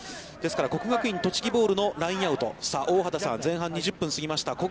ですから、国学院栃木ボールのラインアウト、大畑さん、前半２０分を過ぎました。